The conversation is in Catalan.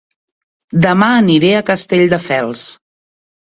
Dema aniré a Castelldefels